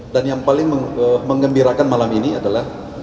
dan yang paling mengembirakan malam ini adalah